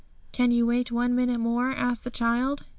'Can you wait one minute more?' asked the child.